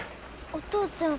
お父ちゃん